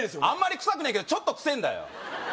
あんまり臭くねえけどちょっと臭えんだよ